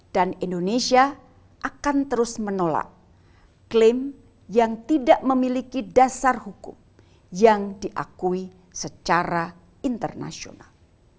dan indonesia akan terus menolak klaim yang tidak memiliki dasar hukum yang diakui secara internasional